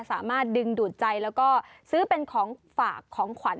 สามารถดึงดูดใจแล้วก็ซื้อเป็นของฝากของขวัญ